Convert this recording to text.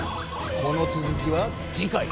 このつづきは次回。